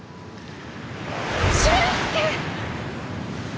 俊介！